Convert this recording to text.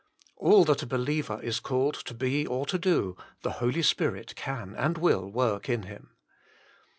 All that a believer is called to be or to do, the Holy Spirit can and will work in him.